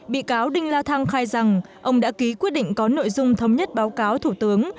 bị cáo đinh la thăng khai rằng ông đã ký quyết định có nội dung thống nhất báo cáo thủ tướng